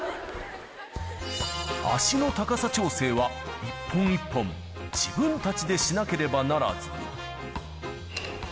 脚の高さ調整は、一本一本自分たちでしなければならず。